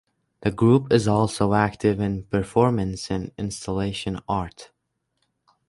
The group is also active in performance and installation art.